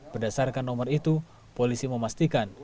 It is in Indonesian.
berdasarkan nomor itu polisi memastikan